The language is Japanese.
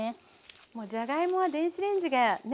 もうじゃがいもは電子レンジがね。